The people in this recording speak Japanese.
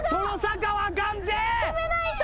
止めないと！